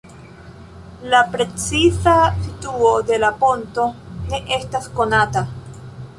La preciza situo de la ponto ne estas konata.